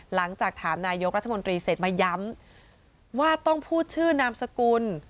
หลังจากถามนายกรัฐมนตรีเสร็จมาย้ำว่าต้องพูดชื่อนามสกุล